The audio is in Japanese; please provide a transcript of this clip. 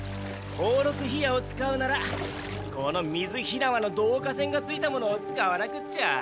宝禄火矢を使うならこの水火縄の導火線がついたものを使わなくっちゃ。